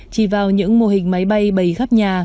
chỉ vào những mô hình máy bay bầy khắp nhà